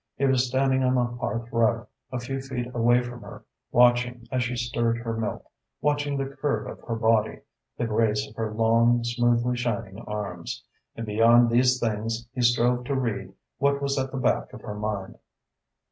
He was standing on the hearth rug, a few feet away from her, watching as she stirred her milk, watching the curve of her body, the grace of her long, smoothly shining arms. And beyond these things he strove to read what was at the back of her mind.